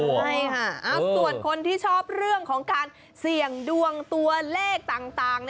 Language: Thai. ใช่ค่ะส่วนคนที่ชอบเรื่องของการเสี่ยงดวงตัวเลขต่าง